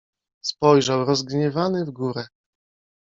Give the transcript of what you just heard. Spojrzał rozgniewany w górę.